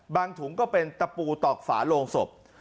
ถุงก็เป็นตะปูตอกฝาโลงศพ